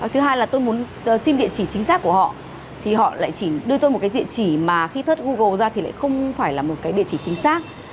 thứ hai là tôi muốn xin địa chỉ chính xác của họ thì họ lại chỉ đưa tôi một cái địa chỉ mà khi thớt google ra thì lại không phải là một cái địa chỉ chính xác